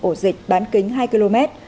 ổ dịch bán kính hai km